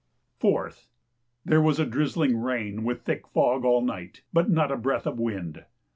4th. There was a drizzling rain with thick fog all night, but not a breath of wind.